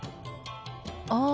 ああ。